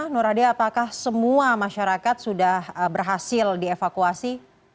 nur ade apakah semua masyarakat sudah berhasil dievakuasi